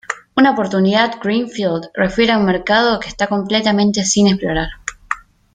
Una oportunidad greenfield refiere a un mercado que está completamente sin explorar.